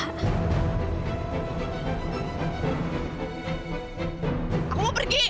aku mau pergi